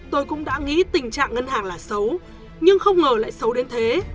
tôi cũng đã nghĩ tình trạng ngân hàng là xấu nhưng không ngờ lại xấu đến thế